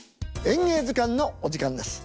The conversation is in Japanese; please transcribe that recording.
「演芸図鑑」のお時間です。